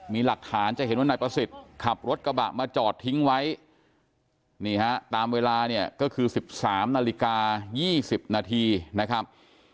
มีหลักฐานจะเห็นว่านายประสิทธิ์ขับรถกระบะมาจอดทิ้งไว้นี่ฮะตามเวลาเนี่ยก็คือ๑๓นาฬิกา๒๐นาทีนะครับ